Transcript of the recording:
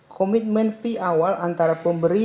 komitmen p awal antara pemberi